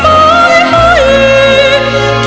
ไม่ทอดท้อยคอยสร้างสิ่งที่ควร